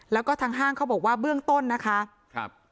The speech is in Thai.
แล้วก็ทางห้างเขาบอกว่าเบื้องต้นนะคะครับ